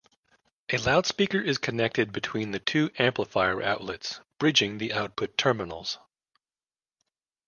A loudspeaker is connected between the two amplifier outputs, "bridging" the output terminals.